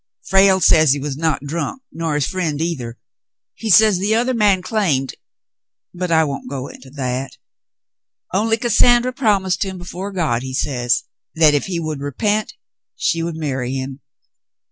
Frale says he w^as not drunk nor his friend either. He says the other man claimed — but I won't go into that — David visits the Bishop 135 only Cassandra promised him before God, he says, that if he would repent, she would marry him.